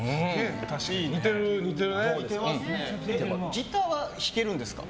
ギターは弾けるんですか？